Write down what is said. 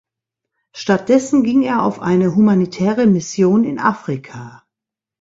Stattdessen ging er auf eine humanitäre Mission in Afrika.